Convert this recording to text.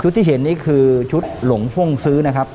ชุดที่เห็นนี่คือลงพ่วงซื้อนะครับ